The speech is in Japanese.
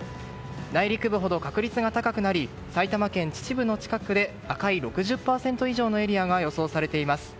内陸部ほど確率が高くなり埼玉県秩父の近くで赤い６０％以上のエリアが予想されています。